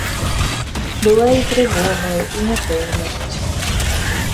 Была і трывога і няпэўнасць.